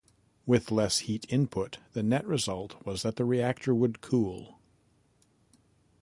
With less heat input, the net result was that the reactor would cool.